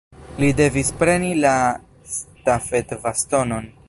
Li devis preni la stafetbastonon.